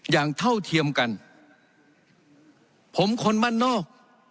เท่าเทียมกันผมคนบ้านนอก